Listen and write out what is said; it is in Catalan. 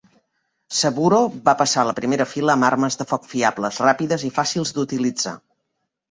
Seburo va passar a la primera fila amb armes de foc fiables ràpides i fàcils d'utilitzar.